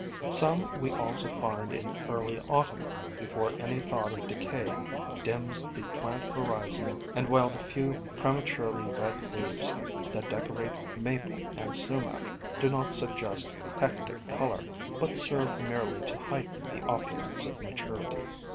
Some we also find in early autumn, before any thought of decay dims the plant horizon and while the few prematurely red leaves that decorate Maple and Sumac do not suggest hectic color, but serve merely to heighten the opulence of maturity.